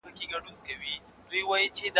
د دې ستري جرګې له پاره د ځای انتخاب څوک کوي؟